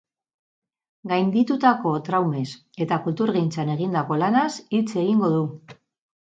Gainditutako traumez eta kulturgintzan egindako lanaz hitz egingo du.